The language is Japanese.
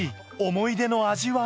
思い出の味は？